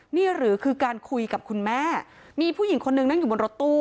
นี่หรือคือการคุยกับคุณแม่มีผู้หญิงคนนึงนั่งอยู่บนรถตู้